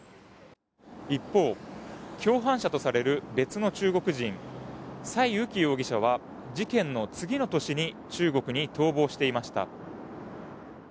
一方共犯者とされる別の中国人サイ・ウキ容疑者は事件の次の年に中国に逃亡していました。